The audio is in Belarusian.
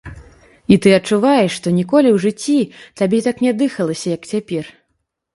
І ты адчуваеш, што ніколі ў жыцці табе так ня дыхалася, як цяпер.